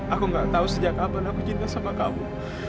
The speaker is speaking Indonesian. aku gak tahu sejak kapan aku cinta sama kamu